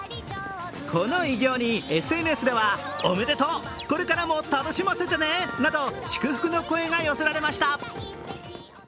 この偉業にＳＮＳでは、おめでとう、これからも楽しませてねなど祝福の声が寄せられました。